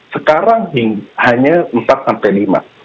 sekarang hanya empat sampai lima